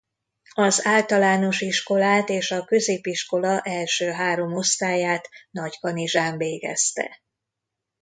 Az általános iskolát és a középiskola első három osztályát Nagykanizsán végezte.